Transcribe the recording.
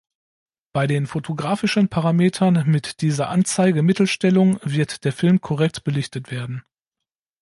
Bei den fotografischen Parametern mit dieser Anzeige-Mittelstellung wird der Film korrekt belichtet werden.